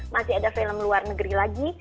masih ada film luar negeri lagi